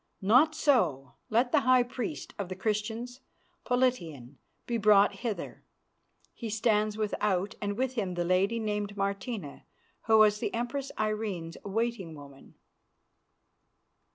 Not so! Let the high priest of the Christians, Politian, be brought hither. He stands without, and with him the lady named Martina, who was the Empress Irene's waiting woman."